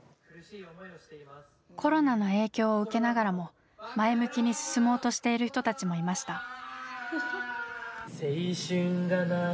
コロナの影響を受けながらも前向きに進もうとしている人たちもいました。